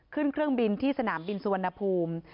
เครื่องบินที่สนามบินสุวรรณภูมิ